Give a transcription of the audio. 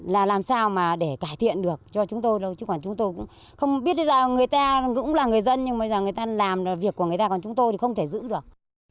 là làm sao mà để cải thiện được cho chúng tôi đâu chứ còn chúng tôi cũng không biết đến là người ta cũng là người dân nhưng bây giờ người ta làm việc của người ta còn chúng tôi thì không thể giữ được